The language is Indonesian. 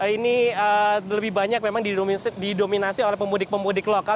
ini lebih banyak memang didominasi oleh pemudik pemudik lokal